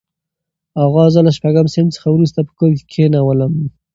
اغا زه له شپږم صنف څخه وروسته کور کې کښېنولم.